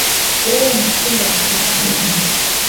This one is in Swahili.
Leo nashinda mjini